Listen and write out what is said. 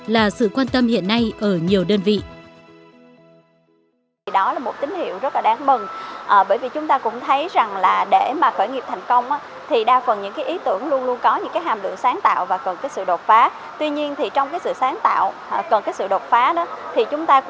là sự quan tâm hiện nay